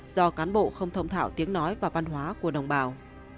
do cán bộ không thông thạo tiếng nói và văn hóa của đồng bào